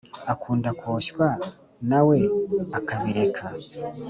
akunda koshywa nawe akabireka